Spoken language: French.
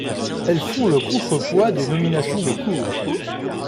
Elles font le contrepoids des nominations de cour.